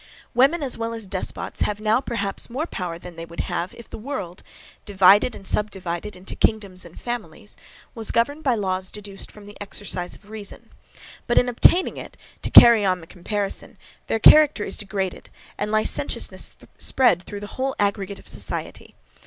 Women, as well as despots, have now, perhaps, more power than they would have, if the world, divided and subdivided into kingdoms and families, was governed by laws deduced from the exercise of reason; but in obtaining it, to carry on the comparison, their character is degraded, and licentiousness spread through the whole aggregate of society.